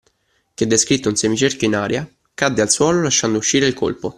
Che descritto un semicerchio in aria, cadde al suolo, lasciando uscire il colpo.